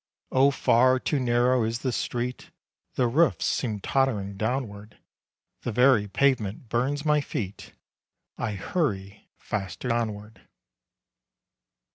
Oh far too narrow is the street, The roofs seem tottering downward. The very pavement burns my feet; I hurry faster onward.